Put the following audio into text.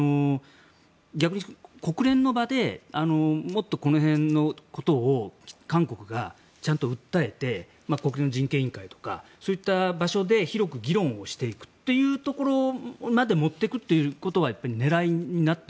逆に国連の場でもっとこの辺のことを韓国がちゃんと訴えて国連の人権委員会とかそういった場所で広く議論をしていくというところまで持っていくということは狙いになってる？